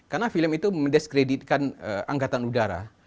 karena film itu mendiskreditkan angkatan udara